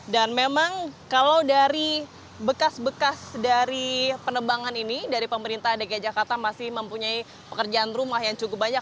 dan memang kalau dari bekas bekas dari penebangan ini dari pemerintah dki jakarta masih mempunyai pekerjaan rumah yang cukup banyak